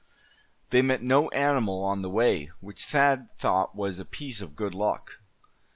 They met no animal on the way, which Thad thought was a piece of good luck.